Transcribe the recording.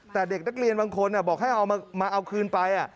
แต่เด็กนักเรียนบางคนบอกให้เอามาเอาคืนไป